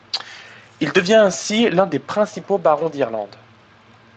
Il devient ainsi l'un des principaux barons d'Irlande.